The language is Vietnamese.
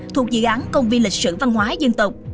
thuộc dự án công viên lịch sử văn hóa dân tộc